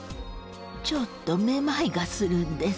ちょっとめまいがするんです。